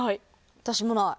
私もない。